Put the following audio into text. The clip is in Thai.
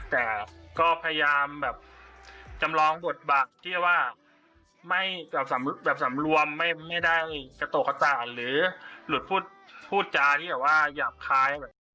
แต่ก็พยายามแบบจำลองบทบัตรที่ว่าแบบสำรวมไม่ได้กระโต๊ะกระต่าหรือหลุดพูดจาที่ว่าหยาบคา